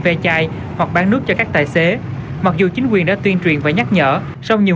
ve chai hoặc bán nước cho các tài xế mặc dù chính quyền đã tuyên truyền và nhắc nhở song nhiều